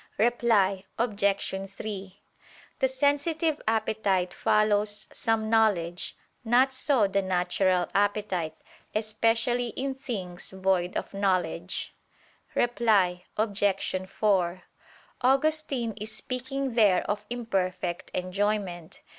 Reply Obj. 3: The sensitive appetite follows some knowledge; not so the natural appetite, especially in things void of knowledge. Reply Obj. 4: Augustine is speaking there of imperfect enjoyment.